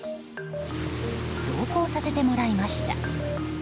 同行させてもらいました。